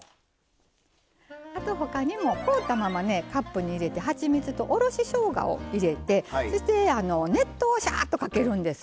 ほかにも凍ったままカップに入れてはちみつとおろししょうがを入れてそして、熱湯をしゃーっとかけるんです。